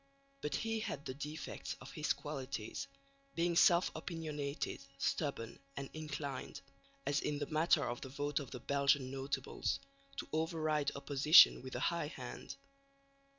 But he had the defects of his qualities, being self opinionated, stubborn and inclined, as in the matter of the vote of the Belgian notables, to override opposition with a high hand.